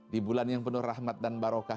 di bulan yang penuh rahmat dan barokah